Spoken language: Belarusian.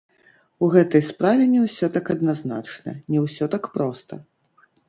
У гэтай справе не ўсё так адназначна, не ўсё так проста.